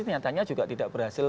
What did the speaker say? ternyata juga tidak berhasil